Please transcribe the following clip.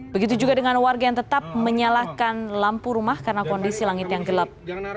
begitu juga dengan warga yang tetap menyalakan lampu rumah karena kondisi langit yang gelap